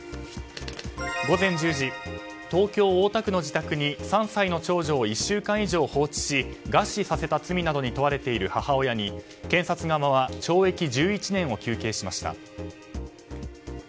午前１０時東京・大田区の自宅に３歳の長女を１週間以上放置し餓死させた罪などに問われている母親に検察側は懲役１１年を求刑しました。